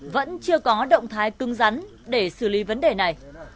vẫn chưa có động thái cưng rắn để xử lý vấn đề này